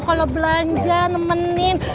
kalau belanja nemenin